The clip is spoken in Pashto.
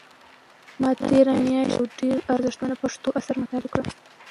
ما تېره میاشت یو ډېر ارزښتمن پښتو اثر مطالعه کړ.